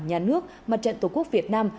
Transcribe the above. nhà nước mặt trận tổ quốc việt nam